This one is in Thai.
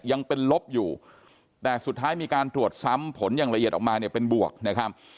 ยังเป็นลบอยู่แต่สุดท้ายมีการตรวจซ้ำผลอย่างละเอียดออกมาเนี่ยเป็นบวกนะครับ